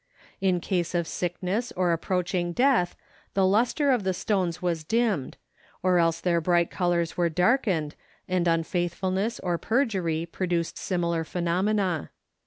In case of sickness or approaching death the lustre of the stones was dimmed, or else their bright colors were darkened, and unfaithfulness or perjury produced similar phenomena.